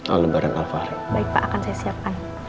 aldebaran alfar baik pak akan saya siapkan